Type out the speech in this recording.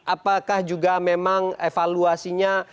apakah juga memang evaluasinya